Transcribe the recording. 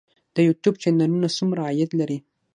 د یوټیوب چینلونه څومره عاید لري؟